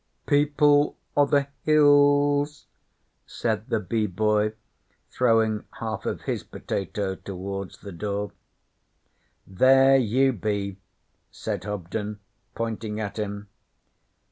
'People o' the Hills,' said the Bee Boy, throwing half of his potato towards the door. 'There you be!' said Hobden, pointing at him.